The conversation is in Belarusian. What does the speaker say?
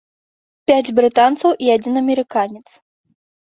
Пяць брытанцаў і адзін амерыканец.